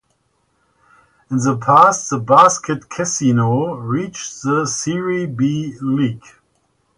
In the past the Basket Cassino reached the Serie B league.